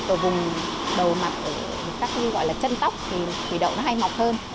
ở các cái gọi là chân tóc thì thủy đậu nó hay mọc hơn